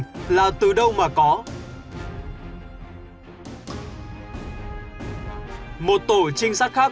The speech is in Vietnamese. một tổ chinh sát được lệnh để xác minh xem bất minh từ kinh tế của nghị can nguyễn văn linh